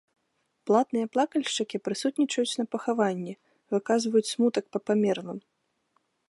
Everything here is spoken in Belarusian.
Платныя плакальшчыкі прысутнічаюць на пахаванні, выказваюць смутак па памерлым.